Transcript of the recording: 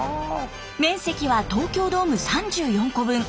面積は東京ドーム３４個分。